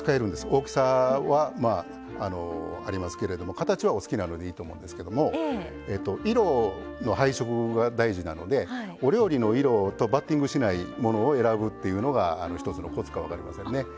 大きさはありますけれども形はお好きなのでいいと思うんですけど色の配色が大事なのでお料理の色とバッティングしないものを選ぶっていうのが一つのコツかも分かりませんね。